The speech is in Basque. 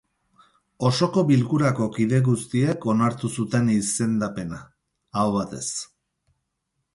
Osoko bilkurako kide guztiek onartu zuten izendapena, aho batez.